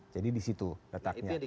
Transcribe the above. jadi disitu letaknya